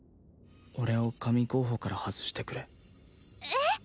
俺を神候補から外してくれえっ！？